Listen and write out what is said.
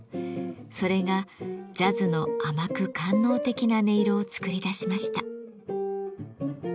それがジャズの甘く官能的な音色を作り出しました。